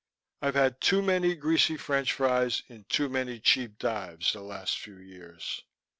I'd had too many greasy French fries in too many cheap dives the last few years.